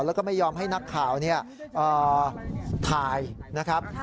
แล้วก็ไม่ยอมให้นักข่าวถ่ายนะครับ